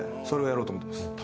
それをやろうと思ってます。